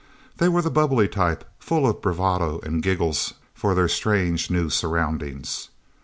They were the bubbly type, full of bravado and giggles for their strange, new surroundings.